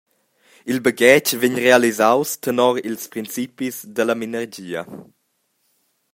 Il baghetg vegn realisaus tenors ils principis dalla minergia.